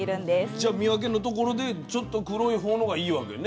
じゃ見分けのところでちょっと黒い方のがいいわけね。